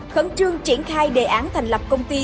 khẩn trương triển khai đề án thành lập công ty